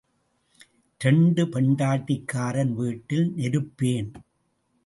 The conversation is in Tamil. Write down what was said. இரண்டு பெண்டாட்டிக்காரன் வீட்டில் நெருப்பு ஏன்?